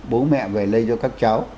bố mẹ phải lây cho các cháu